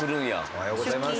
おはようございます。